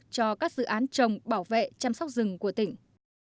cho các dự án trồng bảo vệ chăm sóc rừng của tỉnh